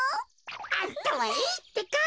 あたまいいってか。